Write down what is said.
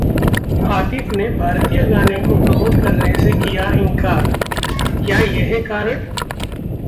आतिफ ने 'भारतीय' गाने को प्रमोट करने से किया इंकार, क्या ये है कारण?